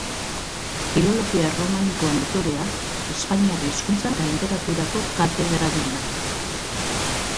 Filologia erromanikoan doktorea, Espainiar Hizkuntza eta Literaturako katedraduna.